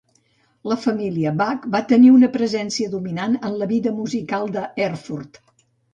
La família Bach va tenir una presència dominant en la vida musical d'Erfurt.